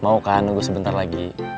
mau kan nunggu sebentar lagi